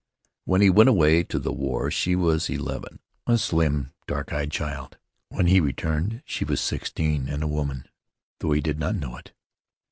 When he went away to the war she was eleven — a slim, dark eyed child; when he returned she was sixteen, and a woman, though he did not know it.